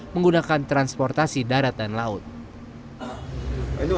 menggunakan transportasi penumpang